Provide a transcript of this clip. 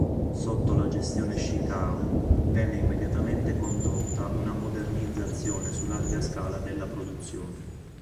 Sotto la gestione "Schichau" venne immediatamente condotta una modernizzazione su larga scala della produzione.